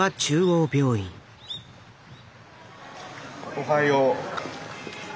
おはよう。